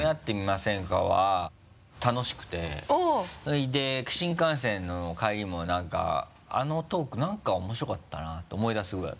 それで新幹線の帰りも何かあのトーク何か面白かったなって思い出すぐらい。